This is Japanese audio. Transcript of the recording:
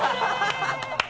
ハハハ